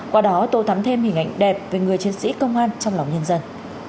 qua đó tô thắm thêm hình ảnh đẹp về người chiến sĩ công an trong lòng nhân dân